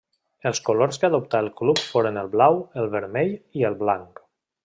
Els colors que adoptà el club foren el blau, el vermell i el blanc.